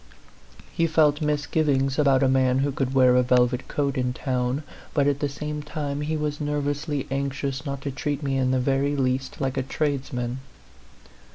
He felt misgivings about a man who could wear a velvet coat in town, but at the same time he was nerv ously anxious not to treat me in the very least like a tradesman.